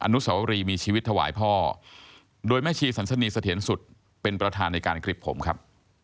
นุสวรีมีชีวิตถวายพ่อโดยแม่ชีสันสนีเสถียรสุดเป็นประธานในการกริบผมครับ